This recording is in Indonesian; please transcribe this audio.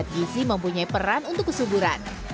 gizi mempunyai peran untuk kesuburan